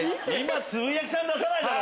つぶやきさん出さないだろ。